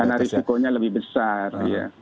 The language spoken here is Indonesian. karena risikonya lebih besar